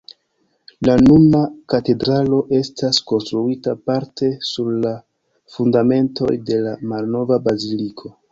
La nuna katedralo estas konstruita parte sur la fundamentoj de la malnova baziliko.